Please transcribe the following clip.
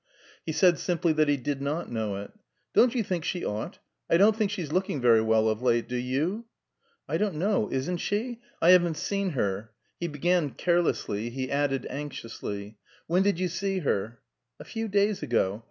He said simply that he did not know it. "Don't you think she ought? I don't think she's looking very well, of late; do you?" "I don't know; isn't she? I haven't seen her " He began carelessly; he added anxiously. "When did you see her?" "A few days ago.